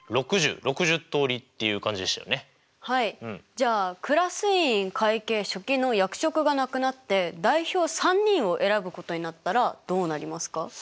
じゃあクラス委員会計書記の役職がなくなって代表３人を選ぶことになったらどうなりますか？